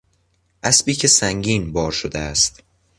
اسبی که سنگین بار شده است